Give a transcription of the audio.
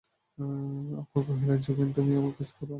অক্ষয় কহিল, যোগেন, তুমি আমার কেস আরো খারাপ করিয়া দিবে দেখিতেছি।